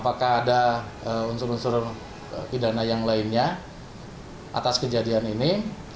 apakah ada unsur unsur pidana yang lainnya atas kejadian ini